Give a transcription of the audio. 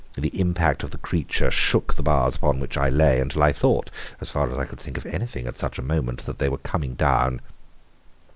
The impact of the creature shook the bars upon which I lay, until I thought (as far as I could think of anything at such a moment) that they were coming down.